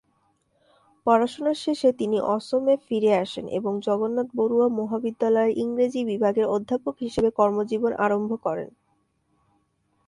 পড়াশোনার শেষে তিনি অসমে ফিরে আসেন এবং জগন্নাথ বরুয়া মহাবিদ্যালয়ে ইংরাজী বিভাগের অধ্যাপক হিসাবে কর্মজীবন আরম্ভ করেন।